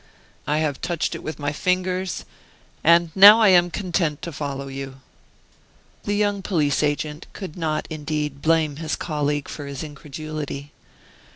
'I have touched it with my fingers,' and now I am content to follow you." The young police agent could not, indeed, blame his colleague for his incredulity.